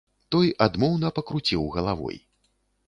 Той адмоўна пакруціў галавой.